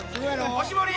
おしぼり！